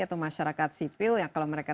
atau masyarakat sipil yang kalau mereka